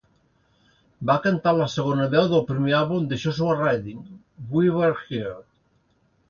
Va cantar la segona veu del primer àlbum de Joshua Radin, "We Were Here".